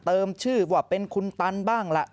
ชื่อว่าเป็นคุณตันบ้างล่ะ